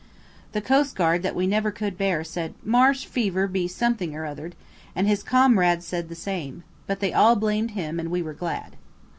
The coastguard that we never could bear said, "Marsh fever be something or othered," and his comrades said the same. But they all blamed him, and we were glad.